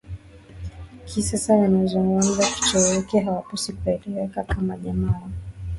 kisasa wanaozungumza Kituruki hawapaswi kueleweka kama jamaa wa